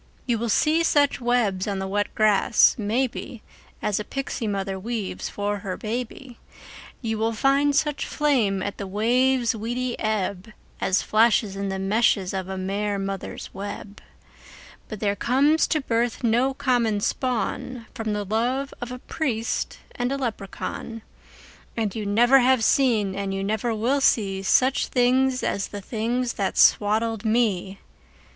You will see such webs on the wet grass, maybe, As a pixie mother weaves for her baby, You will find such flame at the wave's weedy ebb As flashes in the meshes of a mer mother's web, But there comes to birth no common spawn From the love of a priest and a leprechaun, And you never have seen and you never will see Such things as the things that swaddled me!